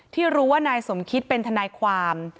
ที่รู้ว่านายสมคิตเป็นทนายความ